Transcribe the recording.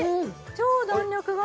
超弾力が！